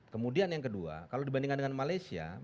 kemudian yang kedua kalau dibandingkan dengan malaysia